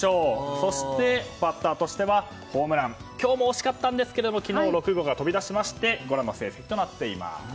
そしてバッターとしてはホームラン今日も惜しかったんですが昨日、６号が飛び出しましてご覧の成績となっています。